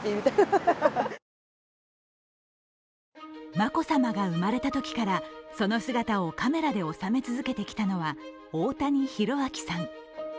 眞子さまが生まれたときからその姿をカメラに収め続けてきたのは大谷丕昭さん。